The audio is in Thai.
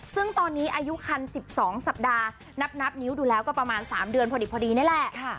ซึ่งตอนนี้อายุคัน๑๒สัปดาห์นับนิ้วดูแล้วก็ประมาณ๓เดือนพอดีนี่แหละ